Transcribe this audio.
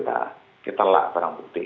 itu semuanya kita lak barang bukti